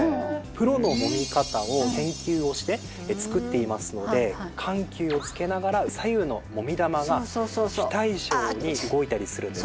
プロのもみ方を研究をして作っていますので緩急をつけながら左右のもみ玉が非対称に動いたりするんです。